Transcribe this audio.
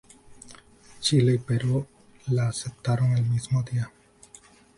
Chile y Perú la aceptaron el mismo día.